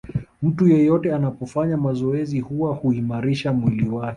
Mtu yeyote anapofanya mazoezi huwa huimarisha mwili wake